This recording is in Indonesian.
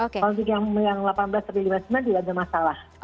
kalau untuk yang delapan belas sampai lima puluh sembilan tidak ada masalah